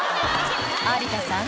有田さん